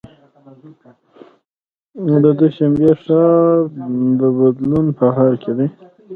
د دوشنبې ښار د بدلون په حال کې دی.